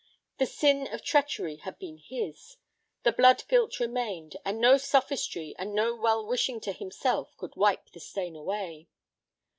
The sin of treachery had been his. The blood guilt remained, and no sophistry and no well wishing to himself could wipe the stain away.